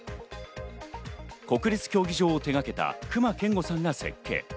国立競技場を手がけた隈研吾さんが設計。